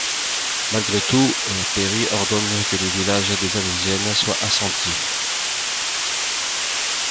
Malgré tout, Perry ordonne que les villages des indigènes soient incendiés.